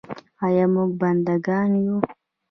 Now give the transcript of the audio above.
آیا موږ بنده ګان یو؟